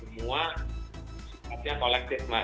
semua sifatnya kolektif mbak